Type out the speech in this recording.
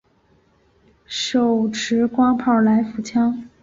手持式光炮来福枪。